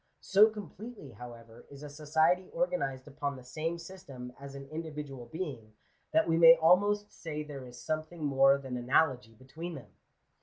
So completely, however, is a society organized upon the same system as an in dividual being, that we may almost say there is something more than analogy between them.